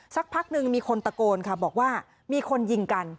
สักพักหนึ่งมีคนตะโกนค่ะบอกว่ามีคนยิงกัน